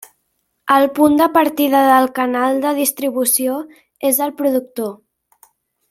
El punt de partida del canal de distribució és el productor.